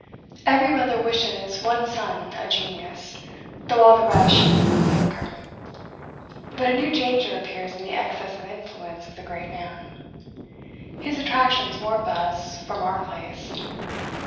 Every mother wishes one son a genius, though all the rest should be mediocre. But a new danger appears in the excess of influence of the great man. His attractions warp us from our place.